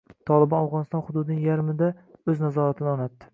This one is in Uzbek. “Tolibon” Afg‘oniston hududining yarmida o‘z nazoratini o‘rnatdi